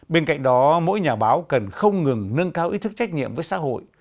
bên cạnh đó mỗi nhà báo cần không ngừng nâng cao ý thức trách nhiệm với xã hội